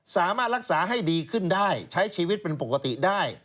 สามารถรักษาให้ดีขึ้นได้ใช้ชีวิตเป็นปกติได้